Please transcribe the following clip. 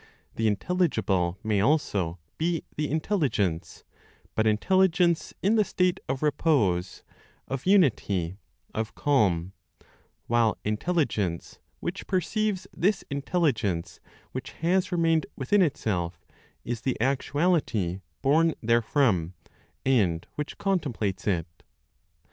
The intelligible may also be the intelligence, but intelligence in the state of repose, of unity, of calm, while Intelligence, which perceives this Intelligence which has remained within itself, is the actuality born therefrom, and which contemplates it.